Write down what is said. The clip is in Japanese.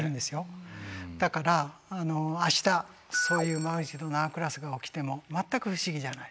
だから明日そういうマグニチュード７クラスが起きても全く不思議じゃない。